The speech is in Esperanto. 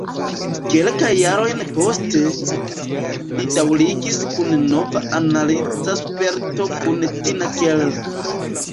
Kelkajn jarojn poste, li daŭrigis kun nova analiza sperto kun Tina Keller.